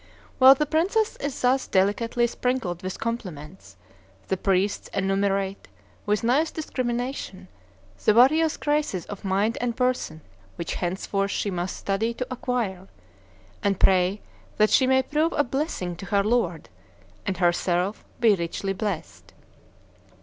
While the princess is thus delicately sprinkled with compliments, the priests enumerate, with nice discrimination, the various graces of mind and person which henceforth she must study to acquire; and pray that she may prove a blessing to her lord, and herself be richly blessed.